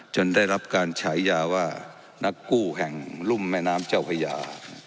ได้รับการฉายาว่านักกู้แห่งรุ่มแม่น้ำเจ้าพญา